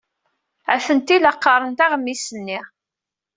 Atenti la qqarent aɣmis-nni.